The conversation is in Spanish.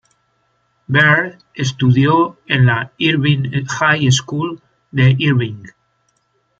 Beard estudió en la "Irving High School" de Irving.